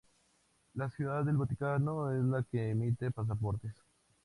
La Ciudad del Vaticano es la que emite pasaportes.